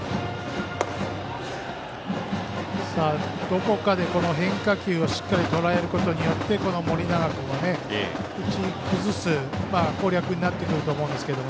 どこかで変化球をしっかりとらえることによって盛永君を打ち崩す攻略になってくると思いますけど。